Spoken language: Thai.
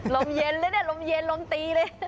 ลมเย็นเลยเลยลมเย็นลมตีเลย